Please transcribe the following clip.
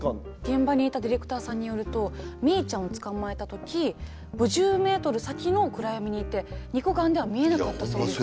現場にいたディレクターさんによるとミイちゃんを捕まえた時５０メートル先の暗闇にいて肉眼では見えなかったそうです。